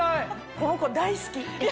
この子大好き！